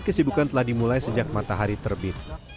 kesibukan telah dimulai sejak matahari terbit